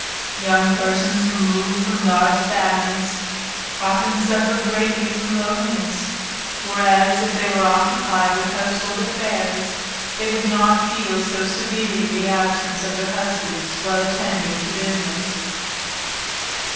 Young persons removed from large families often suffer greatly from loneliness, whereas, if they were occupied with household affairs, they would not feel so severely the absence of their husbands while attending to business.